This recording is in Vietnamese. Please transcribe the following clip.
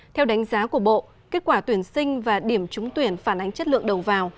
theo đánh giá của bộ kết quả tuyển sinh và điểm trúng tuyển phản ánh chất lượng đầu vào